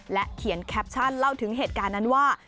เขียนแคปชั่นเล่าถึงเหตุการณ์นั้นว่า